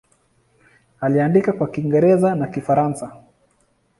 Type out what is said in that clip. Aliandika kwa Kiingereza na Kifaransa.